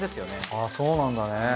あぁそうなんだね。